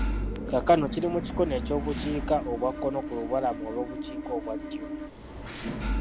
Kaakano kiri mu kikono eky'obukiika obwa kkono ku lubalama olw'obukiika obwa ddyo.